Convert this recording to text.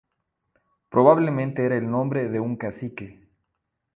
Probablemente era el nombre de un cacique.